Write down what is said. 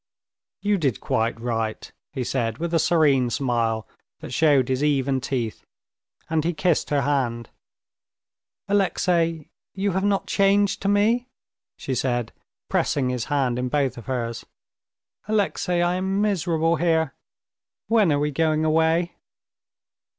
"You did quite right," he said with a serene smile that showed his even teeth, and he kissed her hand. "Alexey, you have not changed to me?" she said, pressing his hand in both of hers. "Alexey, I am miserable here. When are we going away?"